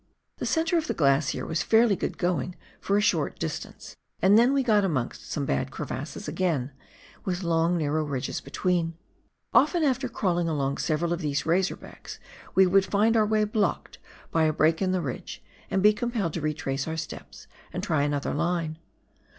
The centre of the glacier was fairly good going for a short 60 PIONEER WORK IN THE ALPS OF NEW ZEALAND. distance, and then we got amongst some bad crevasses again, witli long narrow ridges between. Often after crawling along several of these razor backs, we would find our way blocked by a break in the ridge and be compelled to retrace our steps and try another line.